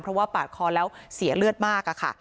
เพราะว่าปาดคอแล้วเสียเลือดมากอะค่ะ